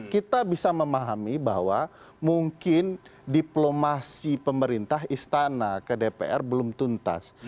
kita bisa memahami bahwa mungkin diplomasi pemerintah istana ke dpr belum tuntas